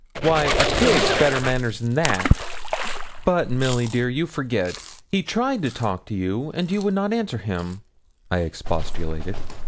Why, a pig's better manners than that.' 'But, Milly dear, you forget, he tried to talk to you, and you would not answer him,' I expostulated.